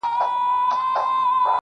ښکاري و ویل که خدای کول داغه دی,